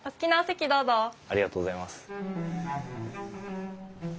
ありがとうございます。